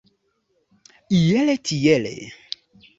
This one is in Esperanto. Iele tiele.